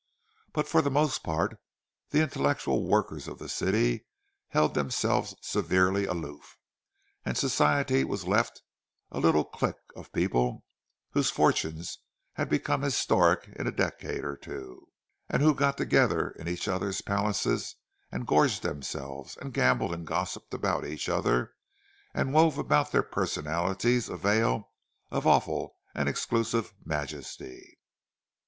But for the most part the intellectual workers of the city held themselves severely aloof; and Society was left a little clique of people whose fortunes had become historic in a decade or two, and who got together in each other's palaces and gorged themselves, and gambled and gossiped about each other, and wove about their personalities a veil of awful and exclusive majesty.